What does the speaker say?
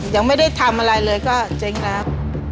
ยังไม่ได้ทำอะไรเลยก็เจ๊งแล้ว